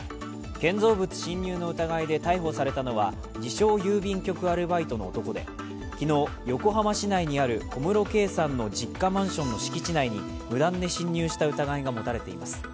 建造物侵入の疑いで逮捕されたのは自称・郵便局アルバイトの男で、昨日、横浜市内にある小室圭さんの実家マンションの敷地内に無断で侵入した疑いが持たれています。